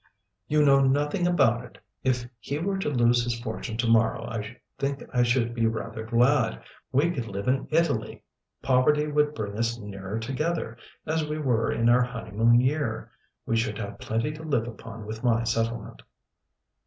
"You know nothing about it. If he were to lose his fortune to morrow I think I should be rather glad. We could live in Italy. Poverty would bring us nearer together as we were in our honeymoon year. We should have plenty to live upon with my settlement."